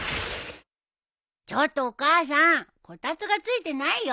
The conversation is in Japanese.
ちょっとお母さんこたつがついてないよ。